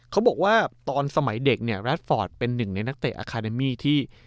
เขาบอกว่าตอนสมัยเด็กเนี่ยแรดฟอร์ดเป็นหนึ่งในนักเตะอาคาเดมี่ที่